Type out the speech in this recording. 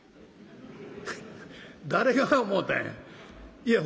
「誰が思うたんや？」。